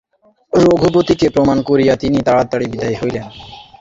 রঘুপতিকে প্রণাম করিয়া তিনি তাড়াতাড়ি বিদায় হইলেন।